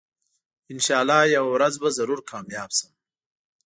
انشاالله یوه ورځ به ضرور کامیاب شم